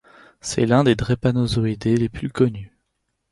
C'est l'un des Drepanosauridae les plus connus.